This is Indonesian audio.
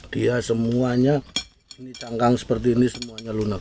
dia semuanya ini cangkang seperti ini semuanya lunak